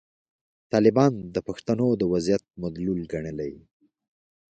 طالبان د پښتنو د وضعیت مدلول ګڼلي.